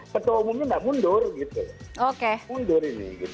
ketua umumnya tidak mundur mundur ini